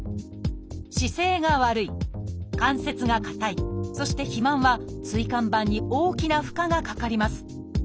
「姿勢が悪い」「関節が硬い」そして「肥満」は椎間板に大きな負荷がかかります。